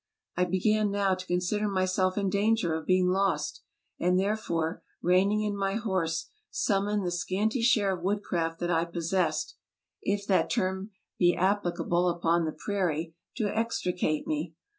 I began now to con sider myself in danger of being lost, and therefore, reining in my horse, summoned the scanty share of woodcraft that I possessed (if that term be applicable upon the prairie) to extricate me.